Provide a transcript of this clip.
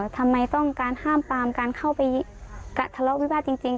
ทำไมต้องการห้ามปามการเข้าไปทะเลาะวิวาสจริง